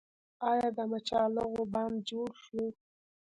آیا د مچالغو بند جوړ شو؟